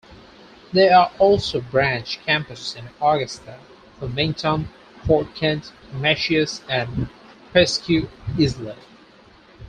There are also branch campuses in Augusta, Farmington, Fort Kent, Machias, and Presque Isle.